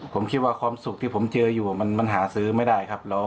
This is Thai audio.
ผมคิดว่าความสุขที่ผมเจออยู่มันหาซื้อไม่ได้ครับ